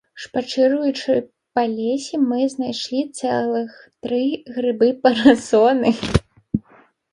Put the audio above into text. Шпацыруючы па лесе, мы знайшлі цэлых тры грыбы-парасоны!